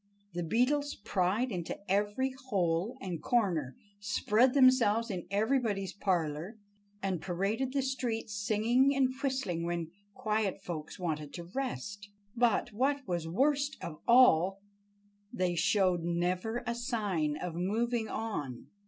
The Beetles pried into every hole and corner, spread themselves in everybody's parlor, and paraded the streets singing and whistling when quiet folks wanted to rest. But, what was worst of all, they showed never a sign of moving on.